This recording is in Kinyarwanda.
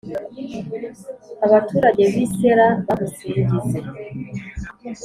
abaturage b’i Sela bamusingize,